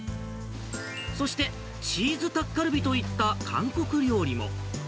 そして、チーズタッカルビといった韓国料理も。